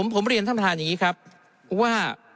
ผมเรียนท่านประธานอย่างนี้ครับว่า